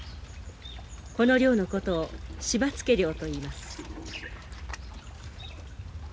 この漁のことを柴つけ漁といいます。